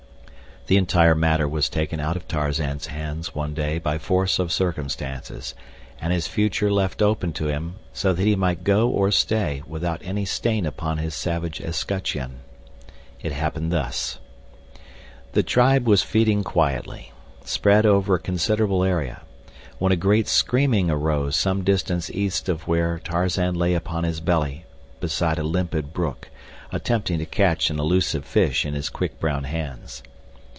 The entire matter was taken out of Tarzan's hands one day by force of circumstances, and his future left open to him, so that he might go or stay without any stain upon his savage escutcheon. It happened thus: The tribe was feeding quietly, spread over a considerable area, when a great screaming arose some distance east of where Tarzan lay upon his belly beside a limpid brook, attempting to catch an elusive fish in his quick, brown hands.